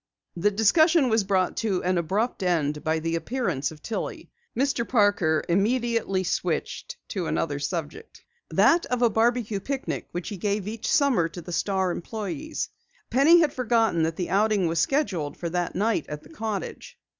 The discussion was brought to an abrupt end by the appearance of Tillie. Mr. Parker immediately switched to another subject, that of a barbecue picnic which he gave each summer to the Star employes. Penny had forgotten that the outing was scheduled for that night at the cottage.